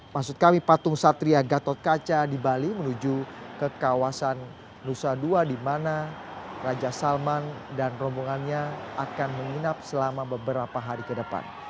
maksud kami patung satria gatot kaca di bali menuju ke kawasan nusa dua di mana raja salman dan rombongannya akan menginap selama beberapa hari ke depan